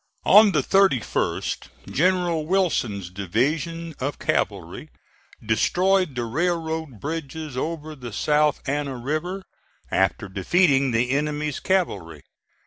On the 31st, General Wilson's division of cavalry destroyed the railroad bridges over the South Anna River, after defeating the enemy's cavalry.